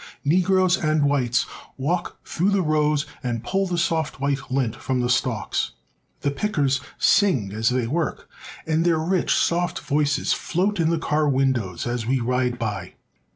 Negroes and whites walk through the rows and pull the soft white lint from the stalks. The pickers sing as they work, and their rich, soft voices float into the car windows as we ride by.